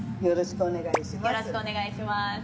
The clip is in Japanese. よろしくお願いします。